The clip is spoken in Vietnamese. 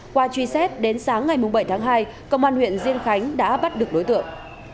qua truy xét đến sáng ngày bảy tháng hai công an huyện diên khánh đã bắt được đối tượng